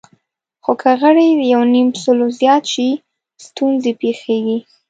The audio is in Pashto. خو که غړي له یونیمسلو زیات شي، ستونزې پېښېږي.